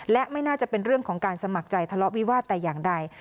และไม่น่าจะเป็นเรื่องของการสมัครใจทะเลาะวิวาสแต่อย่างใด